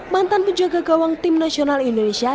mantan penjaga gawang tim nasional indonesia